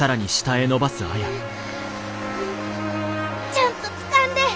ちゃんとつかんで！